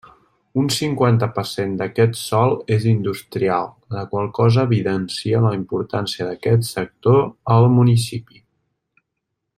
Un cinquanta per cent d'aquest sòl és industrial, la qual cosa evidencia la importància d'aquest sector al municipi.